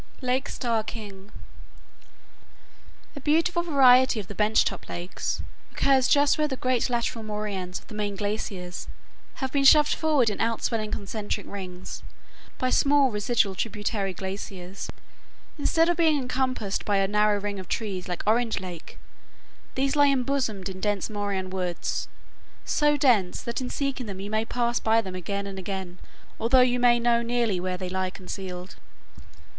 LAKE STARR KING A beautiful variety of the bench top lakes occurs just where the great lateral moraines of the main glaciers have been shoved forward in outswelling concentric rings by small residual tributary glaciers. Instead of being encompassed by a narrow ring of trees like Orange Lake, these lie embosomed in dense moraine woods, so dense that in seeking them you may pass them by again and again, although you may know nearly where they lie concealed.